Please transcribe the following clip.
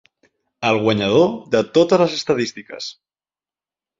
El guanyador de totes les estadístiques.